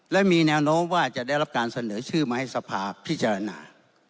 และมีแนวโน้มว่าจะได้รับการเสนอชื่อมาให้สภาพพิจารณา